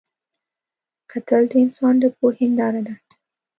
کتل د انسان د پوهې هنداره ده